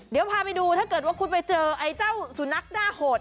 เดี๋ยวพาไปดูถ้าเกิดว่าคุณไปเจอไอ้เจ้าสุนัขด้าโหด